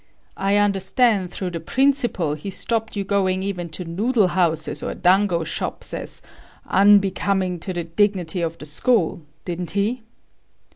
I understand through the principal he stopped your going even to noodle houses or dango shops as unbecoming to the dignity of the school, didn't he?"